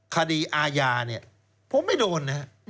คดีอาญาเนี่ยผมไม่โดน